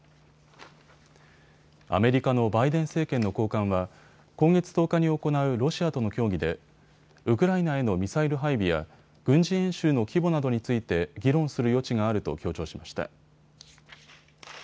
アメリカのバイデン政権の高官は今月１０日に行うロシアとの協議でウクライナへのミサイル配備や軍事演習の規模などについて議論する余地があると強調しました。